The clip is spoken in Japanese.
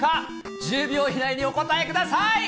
１０秒以内にお答えください。